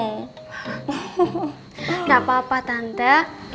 nggak apa apa tante